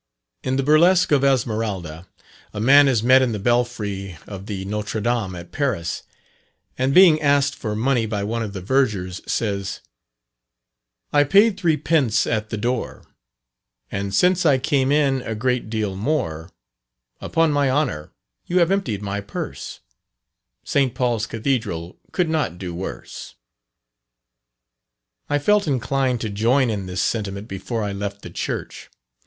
In the Burlesque of "Esmeralda," a man is met in the belfry of the Notre Dame at Paris, and being asked for money by one of the vergers says: "I paid three pence at the door, And since I came in a great deal more: Upon my honour you have emptied my purse, St. Paul's Cathedral could not do worse." I felt inclined to join in this sentiment before I left the church.